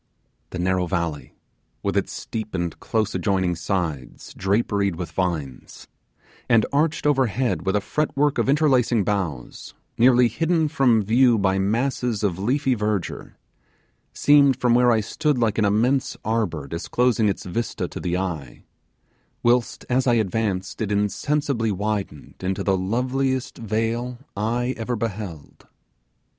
The narrow valley, with its steep and close adjoining sides draperied with vines, and arched overhead with a fret work of interlacing boughs, nearly hidden from view by masses of leafy verdure, seemed from where I stood like an immense arbour disclosing its vista to the eye, whilst as I advanced it insensibly widened into the loveliest vale eye ever beheld.